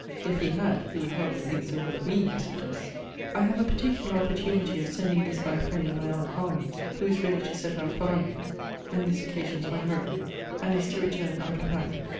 If he had, he would hardly think so well of me as he does. I have a particular opportunity of sending this by a friend of my aunt Harman's; who is ready to set out for London, (and this occasions my hurry,) and is to return out of hand.